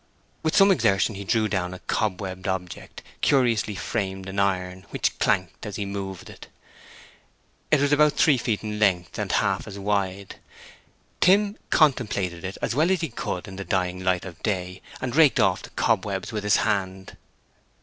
With some exertion he drew down a cobwebbed object curiously framed in iron, which clanked as he moved it. It was about three feet in length and half as wide. Tim contemplated it as well as he could in the dying light of day, and raked off the cobwebs with his hand.